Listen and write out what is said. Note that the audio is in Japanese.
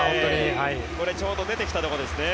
ちょうど出てきたところです。